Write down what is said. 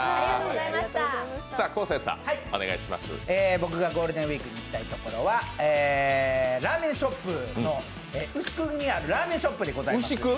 僕がゴールデンウイークに行きたいところはラーメンショップの牛久にあるラーメンショップです。